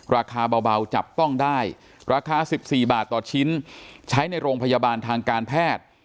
ราคาเบาจับต้องได้ราคา๑๔บาทต่อชิ้นใช้ในโรงพยาบาลทางการแพทย์